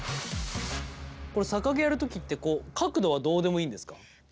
これ逆毛をやる時って角度はどうでもいいんですか？